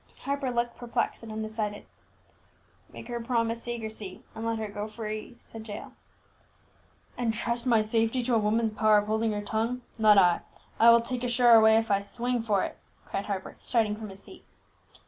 Harper looked perplexed and undecided. "Make her promise secrecy, and let her go free," said Jael. "And trust my safety to a woman's power of holding her tongue! Not I; I will take a surer way, if I swing for it!" cried Harper, starting from his seat.